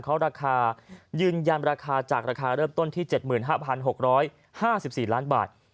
เขาราคายืนยันราคาจากราคาเริ่มต้นที่๗๕๖๕๔ล้านบาท